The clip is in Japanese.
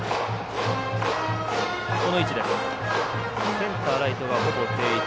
センター、ライトがほぼ定位置。